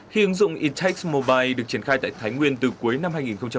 khi ứng dụng intex mobile được triển khai tại thái nguyên từ cuối năm hai nghìn hai mươi một